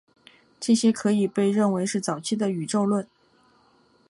这些可以被认为是早期的宇宙论。